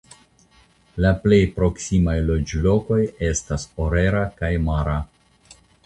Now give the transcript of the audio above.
La plej proksimaj loĝlokoj estas Orera kaj Mara.